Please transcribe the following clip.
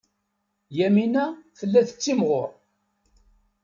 Yamina tella tettimɣur.